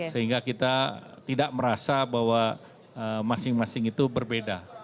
sehingga kita tidak merasa bahwa masing masing itu berbeda